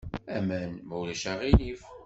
Aman, ma ulac aɣilif.